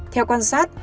theo quan sát